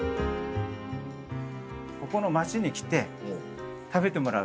ここの街に来て食べてもらう。